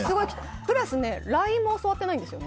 プラス、ＬＩＮＥも教わってないんですよ。